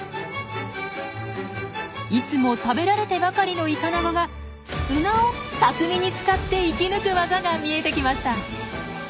いつも食べられてばかりのイカナゴが砂を巧みに使って生き抜く技が見えてきました。